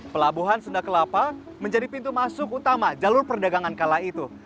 pelabuhan sunda kelapa menjadi pintu masuk utama jalur perdagangan kala itu